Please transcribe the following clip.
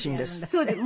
そうです。